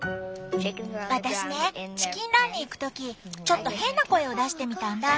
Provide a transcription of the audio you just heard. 私ねチキンランに行く時ちょっと変な声を出してみたんだ。